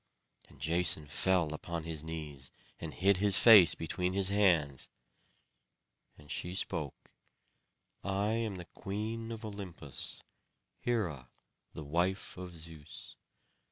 And Jason fell upon his knees, and hid his face between his hands. And she spoke: "I am the Queen of Olympus, Hera the wife of Zeus.